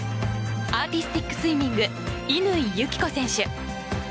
アーティスティックスイミング乾友紀子選手。